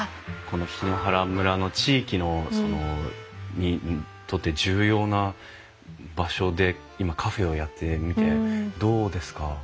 この檜原村の地域にとって重要な場所で今カフェをやってみてどうですか？